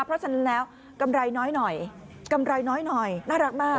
เพราะฉะนั้นแล้วกำไรน้อยหน่อยกำไรน้อยหน่อยน่ารักมาก